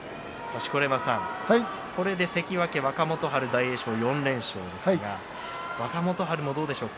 これで関脇若元春と大栄翔が４連勝ですが若元春もどうでしょうか